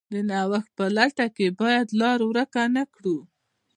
د نوښت په لټه کې باید لار ورکه نه کړو.